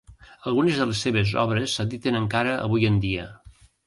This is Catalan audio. Algunes de les seves obres s'editen encara avui en dia.